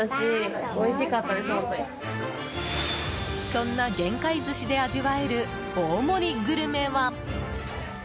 そんな玄海寿司で味わえる大盛りグルメは。